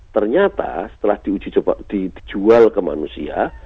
ternyata setelah dijual ke manusia